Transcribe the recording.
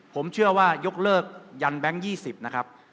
ผมเชื่อว่ายกเลิกยันแบงค์๒๐นะครับ